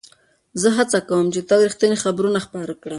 زه هڅه کوم چې تل رښتیني خبرونه خپاره کړم.